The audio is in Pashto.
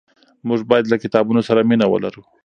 موږ باید له کتابونو سره مینه ولرو.